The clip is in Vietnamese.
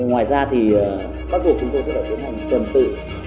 ngoài ra thì bắt buộc chúng tôi sẽ tiến hành tuần tự